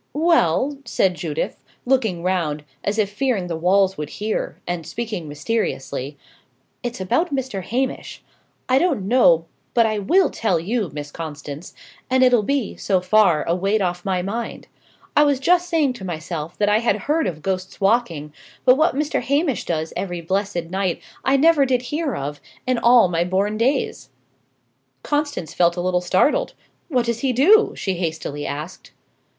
"Well," said Judith, looking round, as if fearing the walls would hear, and speaking mysteriously, "it's about Mr. Hamish. I don't know but I will tell you, Miss Constance, and it'll be, so far, a weight off my mind. I was just saying to myself that I had heard of ghosts walking, but what Mr. Hamish does every blessed night, I never did hear of, in all my born days." Constance felt a little startled. "What does he do?" she hastily asked.